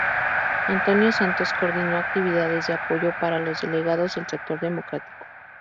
Antonio Santos coordinó actividades de apoyo para los delegados del sector democrático.